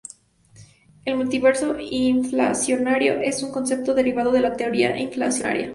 El multiverso inflacionario es un concepto derivado de la teoría inflacionaria.